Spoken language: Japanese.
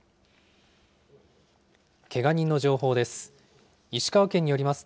けが人の情報です。